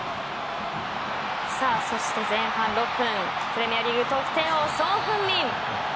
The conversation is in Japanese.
さあ、そして前半６分プレミアリーグ得点王ソン・フンミン。